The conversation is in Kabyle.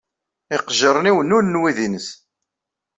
Iqejjiren-inu nnulen wid-nnes.